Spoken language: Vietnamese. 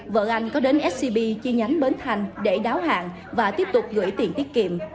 vợ anh có đến scb chi nhánh bến thành để đáo hạn và tiếp tục gửi tiền tiết kiệm